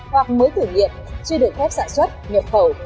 hoặc mới thử nghiệm chưa được phép sản xuất nhập khẩu